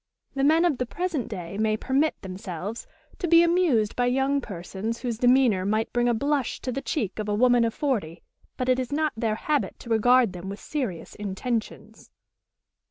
"The men of the present day may permit themselves to be amused by young persons whose demeanor might bring a blush to the cheek of a woman of forty, but it is not their habit to regard them with serious intentions."